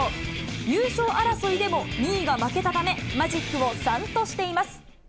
優勝争いでも、２位が負けたため、マジックを３としています。